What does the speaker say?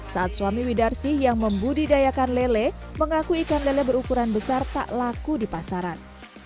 saat suami widarsih yang membudidayakan lele mengaku ikan lele berukuran besar tak laku di pasaran